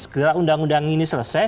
segera undang undang ini selesai